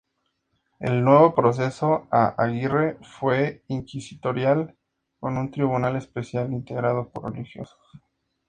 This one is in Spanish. El nuevo proceso a Aguirre fue inquisitorial, con un tribunal especial integrado por religiosos.